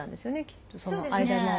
きっとその間も。